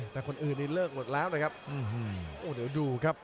แต่คนอื่นนี่เลิกหมดแล้วนะครับ